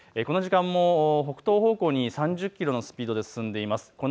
この時間も北東方向に３０キロのスピードで進んでいます。